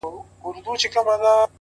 • بې نوبتي کوه مُغانه پر ما ښه لګیږي ,